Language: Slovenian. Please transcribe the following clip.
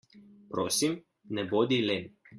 Prosim, ne bodi len.